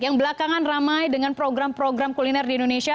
yang belakangan ramai dengan program program kuliner di indonesia